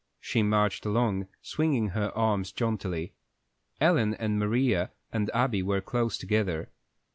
She marched along, swinging her arms jauntily. Ellen and Maria and Abby were close together.